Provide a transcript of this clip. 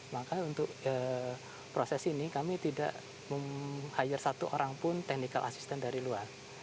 maka untuk proses ini kami tidak meng hire satu orang pun technical assistant dari luar